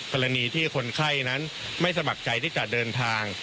กรณีที่คนไข้นั้นไม่สมัครใจที่จะเดินทาง